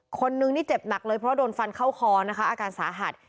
คนนึงนี่เจ็บหนักเลยเพราะโดนฟันเข้าคอนะคะอาการสาหัส